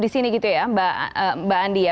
di sini gitu ya mbak andi ya